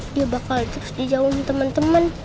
dia bakal terus dijauhin temen temen